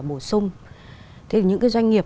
bổ sung thế thì những cái doanh nghiệp